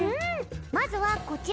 まずはこちら。